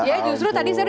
kenapa sih ga danier